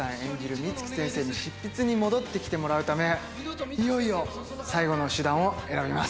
美月先生に執筆に戻ってきてもらうため、いよいよ最後の手段を選びます。